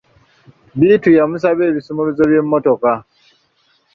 Bittu yamusaba ebisumuluzo by'emmotoka.